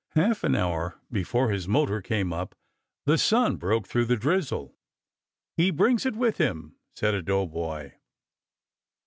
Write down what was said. Half an hour before his motor came up the sun broke through the drizzle. "He brings it with him," said a doughboy.